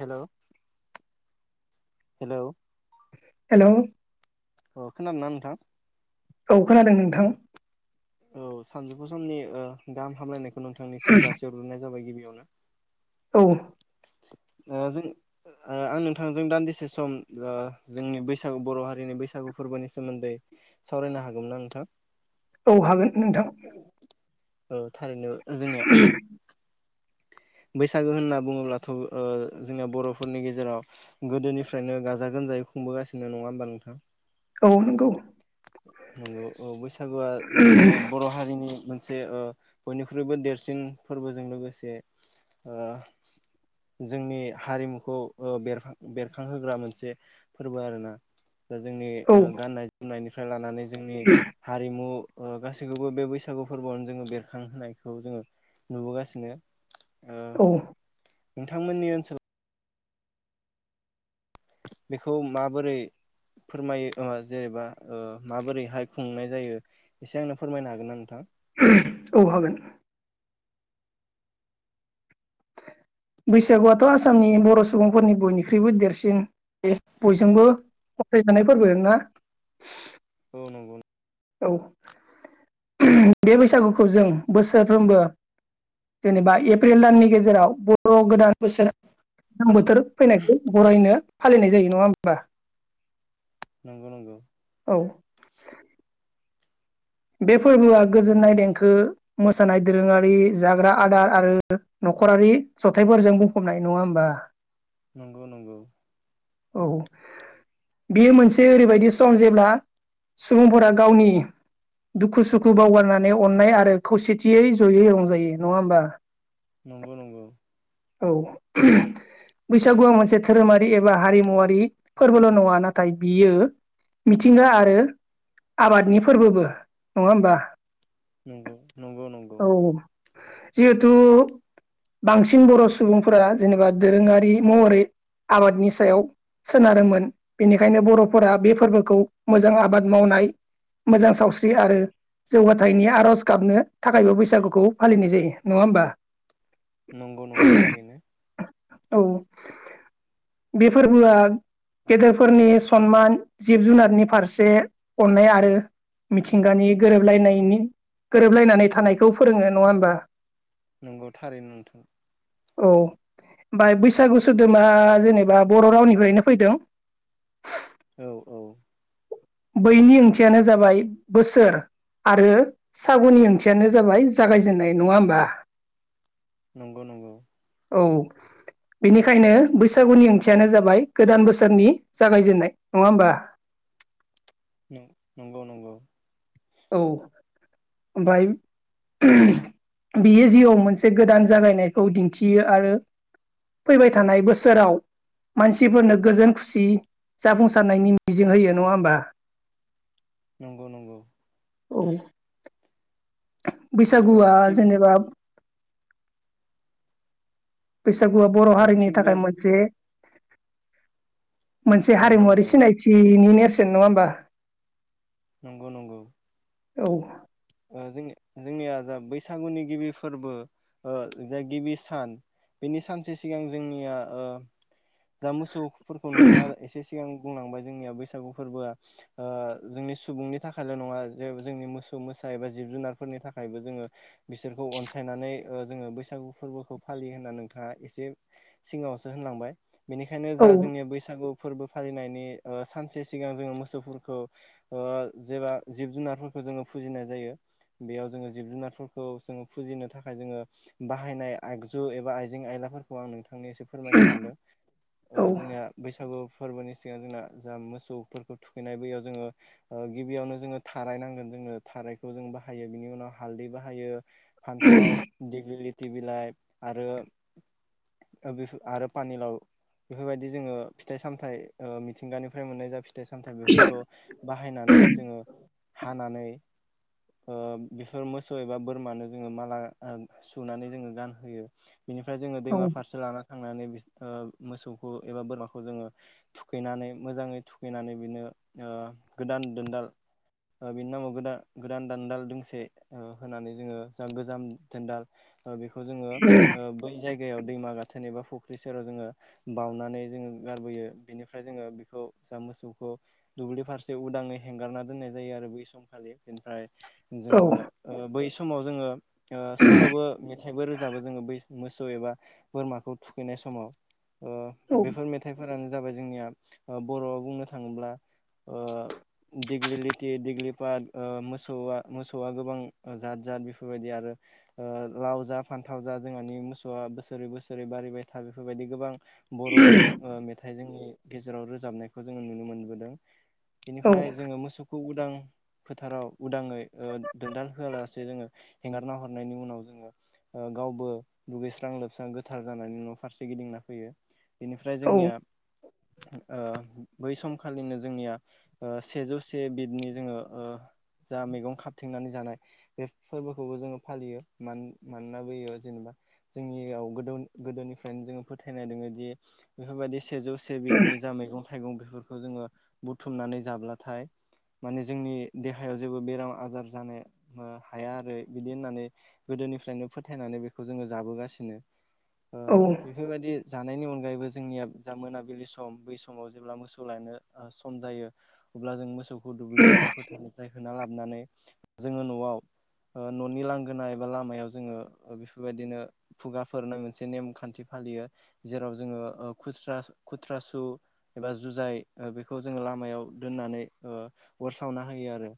हेल' hello hello अ खोनादोंना नोंथां? औ खोनादों नोंथां। औ सानजौफु समनि ओ गाहाम हामलायनायखौ नोंथांनिसिम जासेहरग्रोननाय जाबाय गिबियावनो। औ ओ जों ओ आं नोंथांजों दान्दिसे सम ओ जोंनि बैसागु बर' हारिनि बैसागु बैसागु फोरबोनि सोमोन्दै सावरायनो हागौमोन ना नोंथां? औ हागोन नोंथां। औ थारैनो जोंनिया बैसागो होनना बुङोब्लाथ' ओ जोंनि बर'फोरनि गेजेराव गोदोनिफ्रायनो गाजा-गोम जायै खुंबोगासिनो नङा होमबा नोंथां? औ नोंगौ। नंगौ औ बैसागुआ जोंनि बर' हारिनि मोनसे ओ बयनिख्रुइबो देरसिन फोरबोजों लोगोसे‌ ओ जोंनि हारिमुखौ ओ बेर-बेरखांहोग्रा मोनसे फोरबो आरोना। दा जोंनि औ गाननाय जोमनायनिफ्राय लानानै जोंनि हारिमु गासैखौबो बे बैसागु फोरबोआवनो जोङो बेरखांहोनायखौ जोङो नुबोगासिनो। ओ औ नोंथांमोननि ओनसोलाव बेखौ माबोरै फोरमायो जेनेबा ओ माबोरैहाय खुंनाय जायो एसे आंनो फोरमायनो हागोन ना नोंथां? औ हागोन। बैसागुआथ' आसामनि बर' सुबुंफोरनि बयनिख्रुइबो देरसिन ए बयजोंबो फथायसानाय फोरबो ना [inaudible] औ नोंगौ औ बे बैसागुखौ जों बोसोरफ्रोमबो जेनेबा एप्रिल दाननि गेजेराव बर' गोदान बोसोर दैल्जां बोथोर फैनायखौ बररायनो फालिनाय जायो नङा होमबा? नंगौ नंगौ औ बे फोरबोआ गोजोननाय देंखो मोसानाय दोरोङारि जाग्रा आदार आरो न' न'खरारि जथायाइफोरजों बुंफबनाय नङा होमबा? नंगौ नोंगौ औ बियो मोनसे ओरैबायदि सम जेब्ला सुबुंफोरा गावनि दुखु-सुखु बावगारनानै अननाय आरो खौसेथियै जयै रंजायो नङा होमबा? नंगौ नंगौ औ बैसागुआ मोनसे धोरोमारि एबा हारिमुवारि फोरबोल' नङा नाथाय बियो मिथिंगा आरो आबादनि फोरबोबो नङा होमबा? नंगौ नंगौ नंगौ औ जिहेथु बांसिन बर' सुबुंफोरा जेनेबा दोरोङारि महरै आबादनि सायाव सोनारोमोन बेनिखायनो बर'फोरा बे फोरबोखौ मोजां आबाद मावनाय मोजां सावस्रि आरो जौगाथायनि आर'ज गाबनो थाखायबो बैसागुखौ फालिनाय जायो नङा होमबा? नंगौ-नंगौ थारैनो। औ बे फोरबोआ गेदेरफोरनि सनमान जिब-जुनारनि फारसे अननाय आरो मिथिंगानि गोरोबलायनायनि गोरोबलायनानै थानायखौ फोरोङो नङा होमबा। नंगौ-थारैनो नोंथां। औ। बाय बैसागु सोदोबा जेनेबा बर' रावनिफ्रायनो फैदों। औ-औ। बैनि ओंथियानो जाबाय बोसोर। आरो सागुननि ओंथियानो जाबाय जागायजेननाय नङा होमबा। नंगौ-नंगौ। औ। बेनिखायनो बैसागुनि ओंथियानो जाबाय गोदान बोसोरनि जागायजेननाय नङा होमबा। नंगौ-नंगौ-नंगौ। औ ओमफ्राय बियो जिउआव मोनसे गोदान जागायनायखौ दिन्थियो आरो फैबाय थानाय बोसोराव मानसिफोरनो गोजोन खुसि जाफुंसारनायनि मिजिं होयो नङा होमबा? नंगौ-नंगौ। औ। औ बैसागुआ थिग जेनेबा बैसागुआ बर' औ हारिनि थिग बे थाखाय मोनसे मोनसे नंगौ हारिमुवारि नंगौ सिनायथिनि नेरसोन नङा होमबा? नंगौ-नंगौ। औ। ओ जों-जोंनिया जा बैसागुनि गिबि फोरबो ओ जा गिबि सान बेनि सानसे सिगां जोंनिया ओ जा मोसौफोरखौ नोंथाङा एसे सिगां बुंलांबाय जोंनिया बैसागु फोरबोआ ओ जोंनि सुबुंनि थाखायल' नङा जे जोंनि मोसौ-मोसा बा जिब-जुनारफोरनि थाखायबो जोङो बिसोरखौ अनसायनानै ओ जोङो बैसागु फोरबोखौ फालियो होनना नोंथाङा एसे सिगाङावसो होनलांबाय बेनिखायनो औ जा जोंनि बैसागु फोरबो फालिनायनि ओ सानसे सिगां जोङो मोसौफोरखौ ओ जेबा जिब-जुनारफोरखौ जोङो फुजिनाय जायो। बेयाव जोङो जिब-जुनारफोरखौ जों फुजिनो थाखाय जोङो बाहायनाय आगजु एबा आइजें-आइला फोरखौ आं नोंथांनो एसे फोरमायनो सानदों ओ जोंनिया बैसागु फोरबोनि सिगां जोंना जा‌ मोसौ गिबिआवनो थाराय नांगोन जोंनो थारायखौ जों बाहायो बिनि उनाव हालदै बाहायो फान्थाव दिग्लि थि बिलाइ आरो ओ बेफो-आरो पानिलाव बेफोरबायदि जोङो फिथाइ-सामथाइ ओ मिथिंगानिफ्राय मोननाय जा फि थाइ-सामथाय बेफोरखौ बाहायनानै जोङो हानानै ओ बेफोर मोसौ एबा बोरमानो जोङो माला ओं सुनानै जोङो गानहोयो। बिनिफ्राय जोङो दैमा फारसे लाना थांनानै ओ मोसौखौ एबा बोरमाखौ जोङो थुखैनानै मोजाङै थुखैनानै बिनो ओ गोदान दान्दाल ओ बिनि नामाव गोदान गोदान दान्दाल दोंसे ओ होनानै जोङो जा गोजाम दान्दाल ओ बेखौ जोङो ओ बै जायगायाव दैमा गाथोन एबा फु ख्रि सेराव जोङो बाउनानै जोङो गारबोयो बेनिफ्राय जोङो बेखौ जा मोसौखौ दुब्लि फारसे उदाङै हेंगारना दोननाय जायो आरो बै समखालि। बेनिफ्राय जोङो बै समाव जोङो सल'बो मेथाइबो रोजाबो जोङो बै मोसौ एबा बोरमाखौ थुखैनाय समाव बेफोर मेथाइफोरानो जाबाय जोंनिया बर'आव बुंनो थाङोब्ला ओ दिग्लि लिथि दिग्लि पा मोसौआ मोसौआ गोबां जाद जाद बेफोरबायदि आरो लाव जा फान्थाव जा दा जोंहानि मोसौआ बोसोरै बोसोरै बारारिबाय था बेफोरबायदि गोबां बर' मेथाइ जनि गेजेराव रोजाबनायखौ जोङो नुनो मोनबोदों बेनिफ्राय जोङो मोसौखौ उदां फोथाराव उदाङै दोनदाल होआलासे जोङो हेंगारना हरनायनि उनाव जोङो गावबो दुगैस्रां लोबस्रां गोथार जानायनि उ' फारसे गिदिंना फैयो बेनिफ्राय जोंनिया बै सम खालिनो जोंनिया सेजौसे बिदनि जोङो जा मैगं खाबथंनानै जानाय बे फोरबोखौबो जोङो फालियो मानोना बोयो जेनेबा जोंनियाव गो गोदोनिफ्रायनो जोङो फोथायनाय दङो दि बेफोरबायदि सेजौ से बिदनि निजा मैंगं थाइगं बेफोरखौ जोङो बुथुमनानै जाब्लाथाय मान जोंनि देहायाव जेबो बेराम आजार जानो हाया आरो बिदि होननानै गोदोनिफ्रायनो फोथायनानै जों जाबोगासिनो बेफोरबादि जानायनि अनगायेबो जोंनि जा मोनाबिलि सम बै समाव जेब्ला मोसौ ल सम जायो अब्ला जों मोसौ दुब्लि एबा फोथारनिफ्राय होना लाबोनानै जोङो न'आव न'नि लांगोना एबा लामायाव जोङो बेफोरबायदिनो खुगाफोरनाय मोनसे नेमखान्थि फ फालियो जेराव जोङो खुथ्रा सु एबा जुजाय बेखौ जों लामायाव दोनना अर सावोना होयो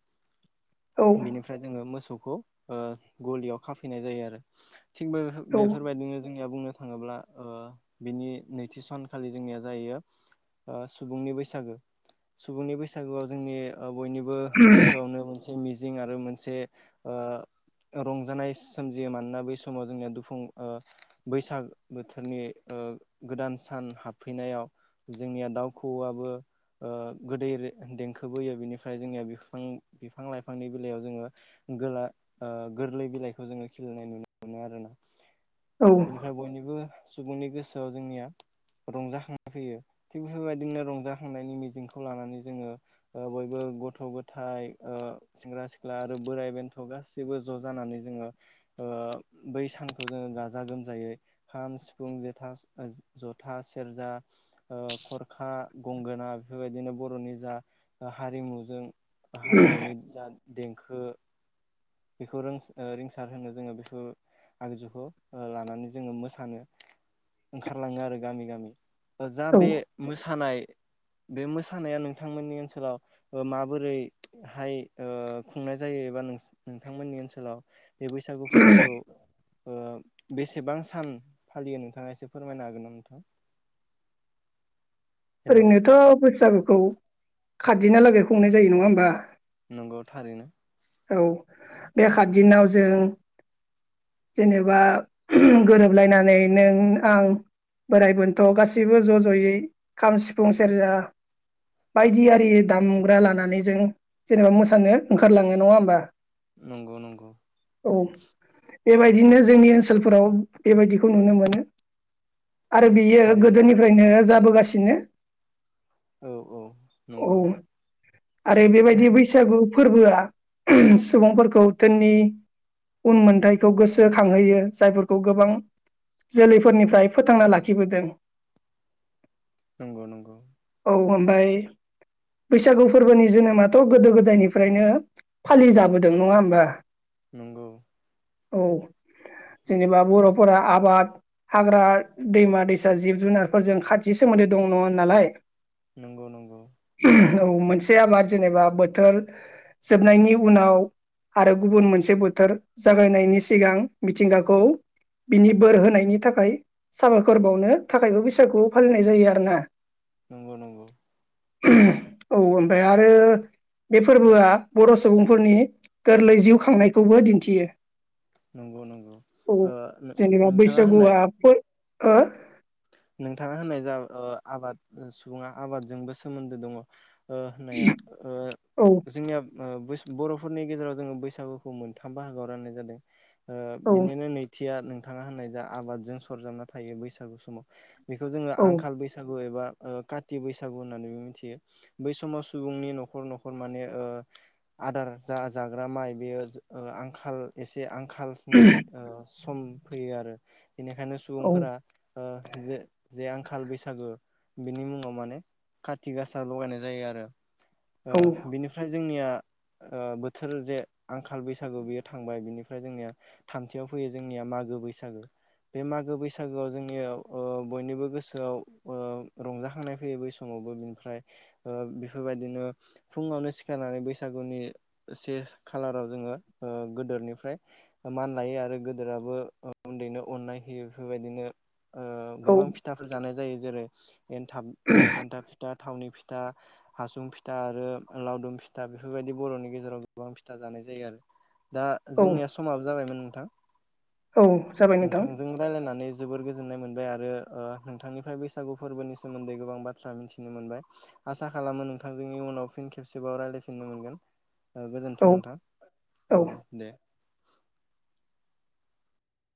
गलियाव खाफैनाय जायो आरो थिग बे बेफोरबायदिनो जोंनिया बुंनो थाङोब्ला बिनि नैथि सानखालि जोंनिया जाहैायो सुबुंनि बैसागो सुबुंनि बैसागोआव जोंनि बयनिबो गोसोआवनो मोनसे मोनसे मिजिं आरो मोनसे रंजानाय सोमजियो मानोना बै समाव जोंनिया दुफुं बैसाग बोथोरनि गोदान सान हाबफैनायाव जोंनिया दाउ खौआआबो गोदै देंखोबो होयो बिनिफ्राय मफ्राय जोंनिया बिफां बिफां लाइफांनि बेलइायाव जोङो गोरलै बिलाइखौ जोो नाय नुनो मोनो आरोोना औ बेनिफ्राय औ बयनिबो सुबुंनि गोसोआव जोंनिया रंजाखांनाय फैयो थिग बेफोरबायदिनो रंजाखांनायनि मिजिंखौ लानानै जोङो बयबो गथ' गथाय सेंग्रा सिख्ला आरो बोराइ बेन्थ' गाैसिबो ज' जानानै जोङो बै सानखौ जोङो गाजा गोमजायै खाम सिफुं जथ जथा सेर जा खरखा गंगोना बेफोरबायदिनो बर'नि जा हारिमु जों हारिमुनि जा देंखो बेखौ रो रिंसार होनो जोङो बेखौ आगजुखौ लानानै जोङो मोसानो ओंखारलाङो आरो गामि गामि जा बे मोसानाय बे मोसानाया नोंथांमोननि ओनसोलाव माबोरैहाय खुंनाय जायो एबा नों नोंथांमोननि ओनसोलाव बे बैसागु फोरबोखौ बेसेबां सान फालियो नोंथाङा एसे फोरमायनो हागोन ना नोंथां [unintelligible] हेलौ ओरैनोथ' बैसागुखौ खारदिहालागै हुंनाय जायो नङा होमबा नंगौ थारैनो औ बे खादिनाव जों जेनेबा गोरोबलायनानै नों आं बोराइ बोनथ' गाससिबो ज' ज'यै खाम सिफुं सेरजा बायदियि दामग्रा लानानै जों जेनेबा मोसानो ओंखारलाङो नङा होमबा नंगौ नंगौ औ बेबायदिनो जोंनि ओनसोलफोराव बेबायदिखौ नुनो मोनो आरो बियो थारैनो गोदोनिफ्रायनो जाबोगासिनो। औ औ औ नंगौ आरो बेबायदि बैसाग फोरबोआ सुबुंफोरखौ जोंनि उन मोनथायखौ गोसोखांहोयो जायफोरखौ गोबां जोलैफोरनिफ्राय फोथांना लाखिबोदों। नंगौ नंगौ औ ओमफाय बैसागु फोरबोनि जोनोमाथ' गोदो गोदायनिफ्रायनो फालि जाबोदों नङा होमबा। नंगौ औ जेनेबा बर'फोरा आबाद, हाग्रा, दैमा-दैसा, जिब जुनारफोरजों खाथ जि सोमोन्दै दं नङा होननालाय। नंगौ नंगौ औ मोनसे आबाद जेनेबा बोथोर जोबनायनि उनाव आरो गुबुन मोनसे बोथोर जागायनायनि सिगां मिथिंगाखौ बिनि बोर होनायनि थाखाय साबायखर बावनो थाखायबो बैसागु फालिनाय जायो आरोना। नंगौ नंगौ औ ओमफाय आरो बे फोरबोआ बर' सुबुंफोरनि गोरलै जिउ खांनायखौबो दिन्थियो। नंगौ नंगौ औ ओ नोंथाङा होननाय हो नोंथाङा होननाय जा ओ आबाद सुबुङा आबादजोंबो सोमोन्दो दङ। ओ होनाया ओ ओ जोंनिया ओ बोस बर'फोरनि गेजेराव जोङो बैसागुखौ मोनथाम बाहागोआव राननाय जादों ओ औ बेनिनो नैथि या नोंथाङा होननाय जा आबादजों सरजाबना थायो बैसागु समाव बेखौ जोङो औ आंखाल बैसागु एबा काथि बैसागु होननानैबो मिथियो बै समाव सुबुंनि न'खर न'खर माने ओ आदार जा जाग्रा माइ बेयो ओ आंखाल एसे आं कालनि ओ सम फैयो आरो बेनिखायनो औ सुबुंफोरा ओ जे जे आंखाल बैसागो बिनि मुङाव माने कथि गासा लगायनाय जायो आरो औ ओ बिनिफ्राय जोंनिया ओ बोथोर जे आंखाल बैसागु बियो थांबाय बिनिफ ओमफ्राय जोंनिया थामथियाव फैयो जोंनिया मागो बैसागो बे मागो बैसागोआव जोंनियाव ओ बयनिबो गोसोआव ओ रंजाखांनाय फैयो बै समावबो बिनिफ्राय ओ बेफोर बायदिनो फुङावनो सिखारनानै बैसागुनि से खालाराव जोङो ओ गोदोर निफ्राय मान लायो आरो गोदोराबो उन्दैनो अननाय होयो बेफोरबायदिनो ओ औ गोबां फिथाफोर जानाय जायो जेरै एनथाब ओ एनथाब फिथा, थावनि फि था फिथा, हासुं फिथा आरो लावदुम फिथा बेफोरबायदि बर'नि गेजेराव गोबां फिथा जानाय जायो आरो दा औ जोंनिया समाबो जाबायमोन नोंथां। औ जाबाय नोंथां। नोंथांजों रायलायनानै जोबोर गोजोननाय मोनबाय आरो ओ नोंथांनिफ्राय बैसागु फोरबोनि सोमोन्दै गोबां बाथ्रा मिथिनो मोनबाय। आसा खालामो नोंथांजोंनि उनाव फिन खेबसेबाव रायलायफिननो मोनगोन औ गोजोन्थों नोंथां औ दे।